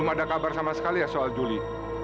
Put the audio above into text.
mau apa lagi sih kamu di